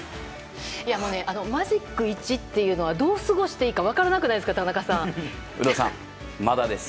マジック１というのはどう過ごしていいか有働さん、まだです。